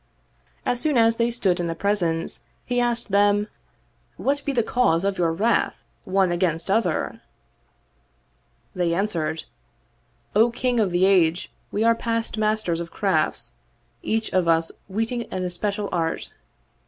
As soon as they stood in the presence he asked them, " What be the 27 Oriental Mystery Stories cause of your wrath one against other?" They answered, " O King of the Age, we are past masters of crafts, each of us weeting an especial art.